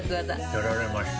やられました。